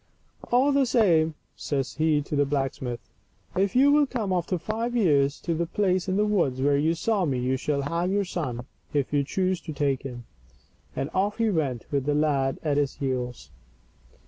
" All the same," says he to the blacksmith, " if you will come after five years to the place in the woods where you saw me, you shall have your son, if you choose to take him." And off he went with the lad at his heels.